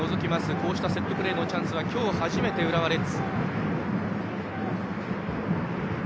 こうしたセットプレーのチャンスは今日初めて、浦和レッズ。